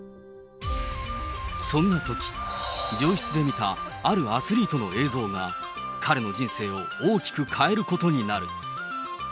そんなとき、病室で見た、あるアスリートの映像が、彼の人生を大きく変えることになる。